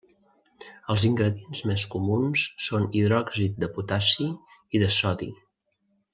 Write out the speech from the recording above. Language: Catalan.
Els ingredients més comuns són hidròxid de potassi i de sodi.